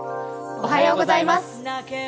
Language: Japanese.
おはようございます。